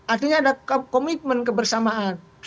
artinya ada komitmen kebersamaan